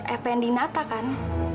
nur fninata kan